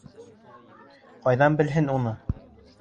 Ҡайҙан белһен уны?